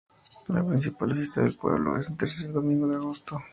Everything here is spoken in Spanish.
La principal fiesta del pueblo es en el tercer domingo de agosto.